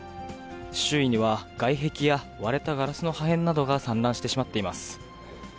周囲には外壁や割れたガラスの破片などは散乱してしまっています。